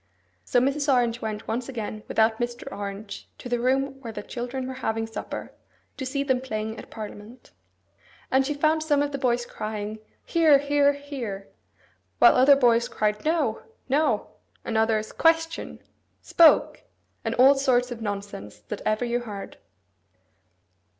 So Mrs. Orange went once again without Mr. Orange to the room where the children were having supper, to see them playing at parliament. And she found some of the boys crying, 'Hear, hear, hear!' while other boys cried 'No, no!' and others, 'Question!' 'Spoke!' and all sorts of nonsense that ever you heard.